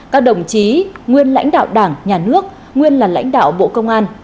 các đồng chí nguyên lãnh đạo đảng nhà nước nguyên là lãnh đạo bộ công an